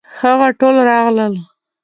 هغه ټول راغلل.